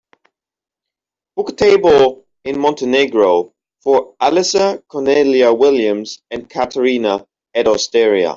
book a table in Montenegro for alissa, cornelia williams and katrina at osteria